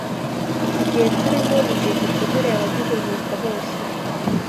Iki gihe turimo ni igihe gikomereye abagihumeka bose